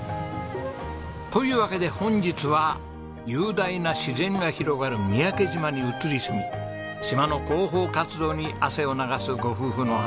というわけで本日は雄大な自然が広がる三宅島に移り住み島の広報活動に汗を流すご夫婦のお話です。